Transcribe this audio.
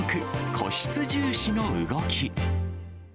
個室重視の動き。